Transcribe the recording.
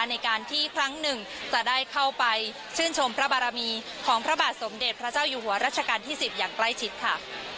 ในการที่ครั้งหนึ่งจะได้เข้าไปชื่นชมพระบารมีของพระบาทสมเด็จพระเจ้าอยู่หัวรัชกาลที่๑๐อย่างใกล้ชิดค่ะ